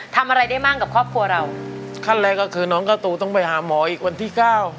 ทำอะไรได้มั่งกับครอบครัวเราขั้นแรกก็คือน้องการ์ตูต้องไปหาหมออีกวันที่เก้า